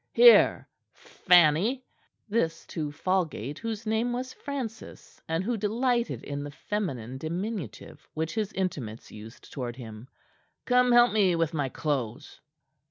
"Here, Fanny!" This to Falgate, whose name was Francis, and who delighted in the feminine diminutive which his intimates used toward him. "Come help me with my clothes."